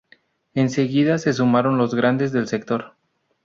Enseguida se sumaron los grandes del sector.